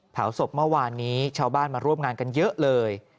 เผาศพเมื่อวานนี้ชาวบ้านมาร่วมงานกันเยอะเลย